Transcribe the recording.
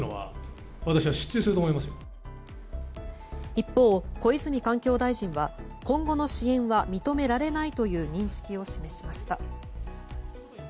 一方、小泉環境大臣は今後の支援は認められないという認識を示しました。